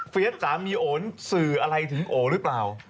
สามีโอนสื่ออะไรถึงโอหรือเปล่า